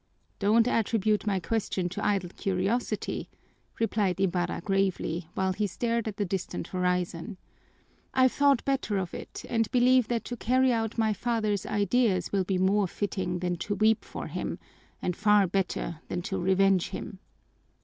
"Don't attribute my question to idle curiosity," replied Ibarra gravely, while he stared at the distant horizon. "I've thought better of it and believe that to carry out my father's ideas will be more fitting than to weep for him, and far better than to revenge him.